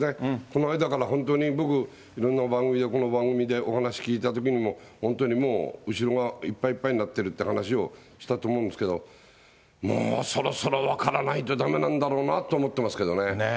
この間から本当に、僕、いろんな番組で、この番組でお話聞いたときにも、本当にもう、後ろがいっぱいいっぱいになってるっていう話をしたと思うんですけど、もうそろそろ分からないとだめなんだろうなと思ってますけどね。